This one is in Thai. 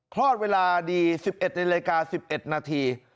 คลอดเวลาดีสิบเอ็ดในรายการสิบเอ็ดนาที